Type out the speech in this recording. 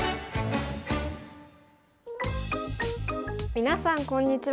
皆さんこんにちは。